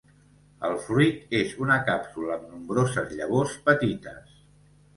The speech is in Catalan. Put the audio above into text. El fruit és una càpsula amb nombroses llavors petites.